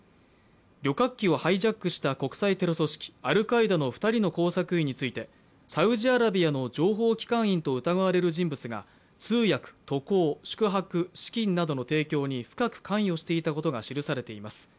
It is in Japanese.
旅客機をハイジャックした国際テロ組織アルカイダの２人の工作員について、サウジアラビアの情報機関員と疑われる人物が通訳、渡航、宿泊、資金などの提供に深く関与していたことが記されています。